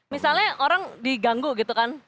misalnya orang diganggu gitu kan